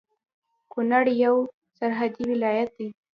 کونړ يو سرحدي ولايت دی